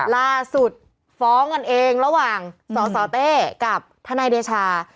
ล่าสุดฟ้องกันเองระหว่างสสเต้กับทนายเดชา